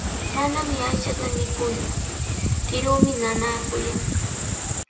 Manami aychata mikuuku, kiruumi nanaakullan.